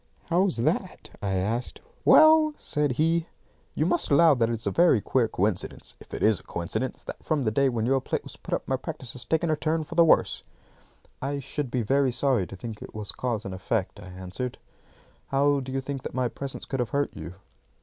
"How's that?" I asked. "Well," said he, "you must allow that it is a very queer coincidence if it is a coincidence that from the day when your plate was put up my practice has taken a turn for the worse." "I should be very sorry to think it was cause and effect," I answered. "How do you think that my presence could have hurt you?"